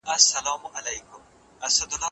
که یوازي معلول ته پام وسي نو ستونزه نه حلیږي.